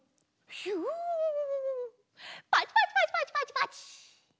ひゅパチパチパチパチパチパチ。